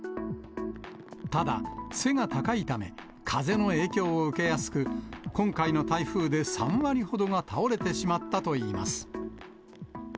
ただ、背が高いため、風の影響を受けやすく、今回の台風で３割ほどが倒れてしまったといいます。